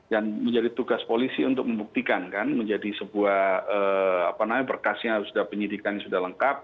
dan menjadi tugas polisi untuk membuktikan kan menjadi sebuah apa namanya berkasnya sudah penyidikan sudah lengkap